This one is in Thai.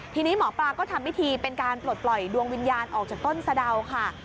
ทีนี้หมอปลาก็ทำพิธีเป็นการปลดปล่อยดวงวิญญาณออกจากต้นสะดาวค่ะ